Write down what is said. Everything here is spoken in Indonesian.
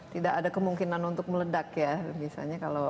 tidak ada kemungkinan untuk meledak ya biasanya kalau